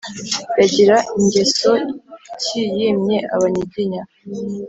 yagira ngeso ki yimye abanyiginya